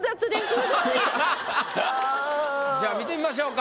じゃあ見てみましょうか。